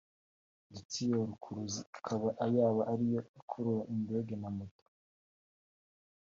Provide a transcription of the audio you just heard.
ndetse iyo rukuruzi akaba yaba ariyo ikurura indege n'amato